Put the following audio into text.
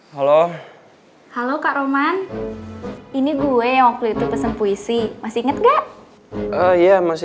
halo halo kak roman ini gue waktu itu pesan puisi masih inget nggak iya masih